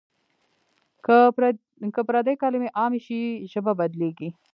که پردۍ کلمې عامې شي ژبه بدلېږي.